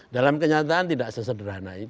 dalam kenyataan tidak sesederhana itu